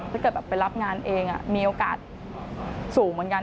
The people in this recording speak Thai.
ถ้าเกิดแบบไปรับงานเองมีโอกาสสูงเหมือนกัน